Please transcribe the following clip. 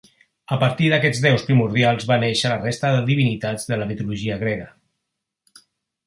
A partir d'aquests déus primordials van néixer la resta de divinitats de la mitologia grega.